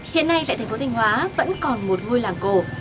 hiện nay tại thành phố thanh hóa vẫn còn một ngôi làng cổ